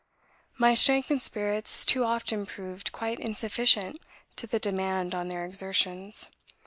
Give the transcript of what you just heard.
My strength and spirits too often proved quite insufficient to the demand on their exertions.